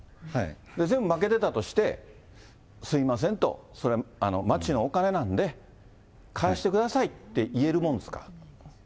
全部負けてたとして、すみませんと、それ、町のお金なんで、返してくださいって言えるもんですか？